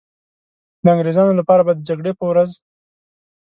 د انګریزانو لپاره به د جګړې په ورځ.